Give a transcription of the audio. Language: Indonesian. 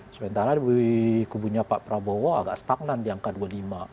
sementara di kubunya pak prabowo agak stagnan di angka dua puluh lima